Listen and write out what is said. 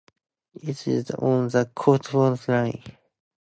It is on the Cotswold Line.